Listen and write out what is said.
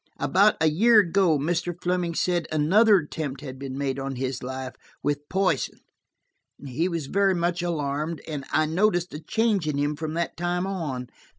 About a year ago Mr. Fleming said another attempt had been made on his life, with poison; he was very much alarmed, and I noticed a change in him from that time on.